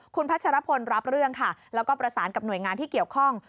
คุณพัชรพลรับเรื่องค่ะแล้วก็ประสานกับหน่วยงานที่เกี่ยวข้อง